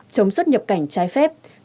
chống xuất nhập cảnh trái phép